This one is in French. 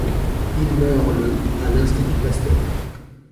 Il meurt le à l’Institut Pasteur.